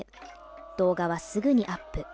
動画はすぐにアップ。